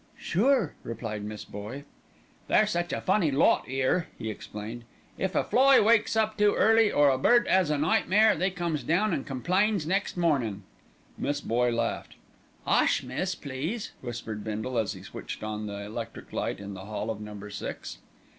"Sure," replied Miss Boye. "They're such a funny lot 'ere," he explained. "If a fly wakes up too early, or a bird 'as a nightmare, they comes down an' complains next mornin'." Miss Boye laughed. "'Ush! miss, please," whispered Bindle as he switched on the electric light in the hall of Number Six.